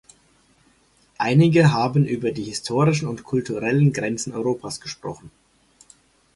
Einige haben über die historischen und kulturellen Grenzen Europas gesprochen.